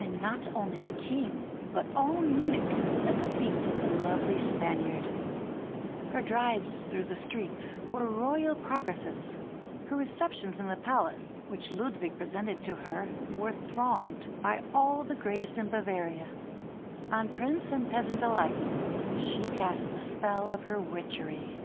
And not only the King, but all Munich was at the feet of the lovely "Spaniard"; her drives through the streets were Royal progresses; her receptions in the palace which Ludwig presented to her were thronged by all the greatest in Bavaria; on Prince and peasant alike she cast the spell of her witchery.